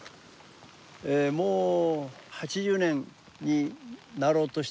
えもう８０年になろうとしてるですね。